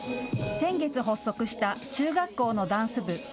先月発足した中学校のダンス部。